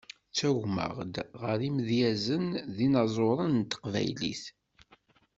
Ttagmaɣ-d ɣer yimedyazen d yinaẓuren n Teqbaylit.